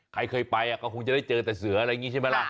ใครเคยไปก็คงจะได้เจอแต่เสืออะไรอย่างนี้ใช่ไหมล่ะ